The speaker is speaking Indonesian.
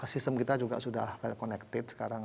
sistem kita juga sudah welconnected sekarang